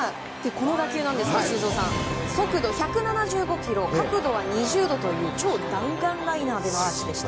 この打球なんですが修造さん、速度１７５キロ角度は２０度という超弾丸ライナーでのアーチでした。